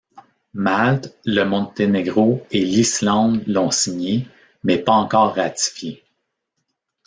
Malte, le Monténégro et l'Islande l'ont signée, mais pas encore ratifiée.